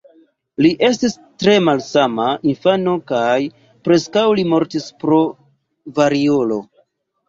Li estis tre malsana infano kaj preskaŭ li mortis pro variolo.